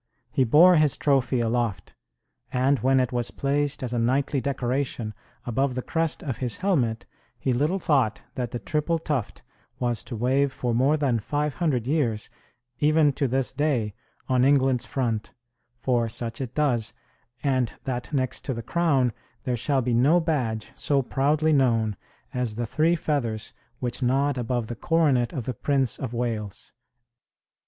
He bore his trophy aloft, and when it was placed as a knightly decoration above the crest of his helmet, he little thought that the triple tuft was to wave for more than five hundred years, even to this day, on England's front, for such it does, and that, next to the crown, there shall be no badge so proudly known as the three feathers which nod above the coronet of the Prince of Wales.